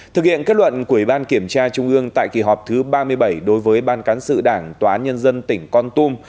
thực hiện kết luận của ủy ban kiểm tra trung ương tại kỳ họp thứ ba mươi bảy đối với ban cán sự đảng tòa án nhân dân tỉnh con tum